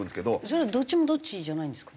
それはどっちもどっちじゃないんですか？